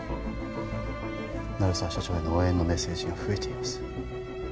鳴沢社長への応援のメッセージが増えています